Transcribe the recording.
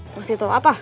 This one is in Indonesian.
ngasih tau apa